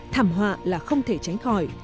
thảm họa là không thể tránh khỏi